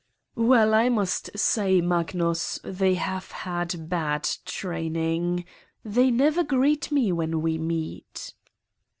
"Well, I must say, Magnus, they have had bad training. They never greet me when we meet."